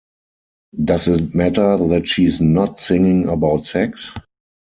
Does it matter that she's not singing about sex?